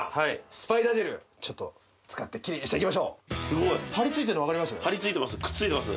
スパイダージェルちょっと使ってキレイにしていきましょうすごい張り付いてます